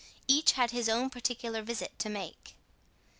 Each had his own particular visit to make.